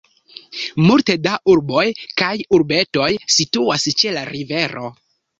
Multe da urboj kaj urbetoj situas ĉe la rivero.